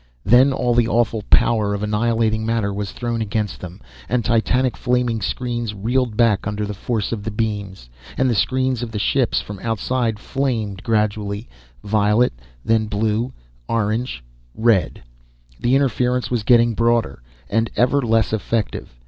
Then all the awful power of annihilating matter was thrown against them, and titanic flaming screens reeled back under the force of the beams, and the screens of the ships from Outside flamed gradually violet, then blue, orange red the interference was getting broader, and ever less effective.